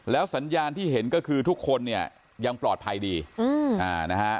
สัญญาณที่เห็นก็คือทุกคนเนี่ยยังปลอดภัยดีนะฮะ